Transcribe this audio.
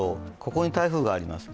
ここに台風があります。